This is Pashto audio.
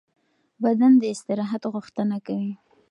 بدن د استراحت غوښتنه کوي.